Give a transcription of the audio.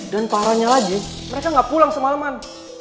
dan parahnya lagi mereka gak pulang semaleman